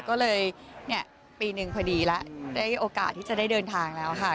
ก็เลยเนี่ยปีหนึ่งพอดีแล้วได้โอกาสที่จะได้เดินทางแล้วค่ะ